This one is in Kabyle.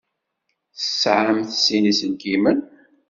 Tesεamt sin iselkimen?